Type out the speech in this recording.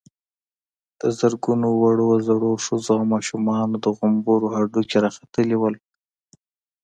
د زرګونو وړو_ زړو، ښځو او ماشومانو د غومبرو هډوکي را ختلي ول.